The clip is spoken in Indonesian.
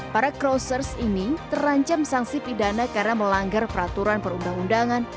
para crossers ini terancam sanksi pidana karena melanggar peraturan perundang undangan